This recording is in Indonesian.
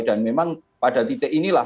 dan memang pada titik inilah